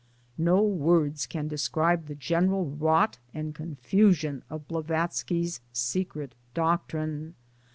(No words can describe the general rot and confusion of Blavatsky's Secret Doctrine.)